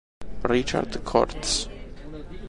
Richard Corts